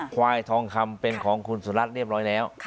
ควายทองคำเป็นของคุณสุรัตน์เรียบร้อยแล้ว